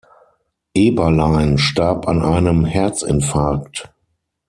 Eberlein starb an einem Herzinfarkt.